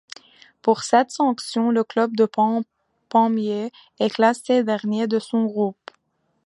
Pour cette sanction le club de Pamiers est classé dernier de son groupe.